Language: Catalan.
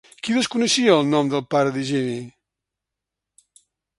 Qui desconeixia el nom del pare d'Higini?